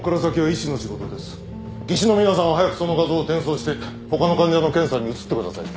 技師の皆さんは早くその画像を転送して他の患者の検査に移ってください。